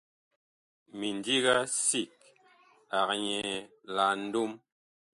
Mindiga sig ag nyɛɛ Nlom.